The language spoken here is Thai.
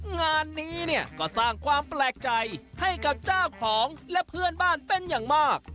งานนี้เนี่ยก็สร้างความแปลกใจให้กับเจ้าของและเพื่อนบ้านเป็นอย่างมาก